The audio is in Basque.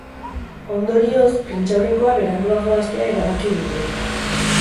Ondorioz, prentsaurrekoa beranduago hastea erabaki dute.